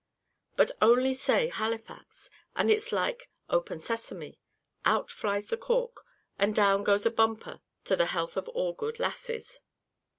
But only say Halifax! and it is like "Open sesame!" out flies the cork, and down goes a bumper to the "health of all good lasses!"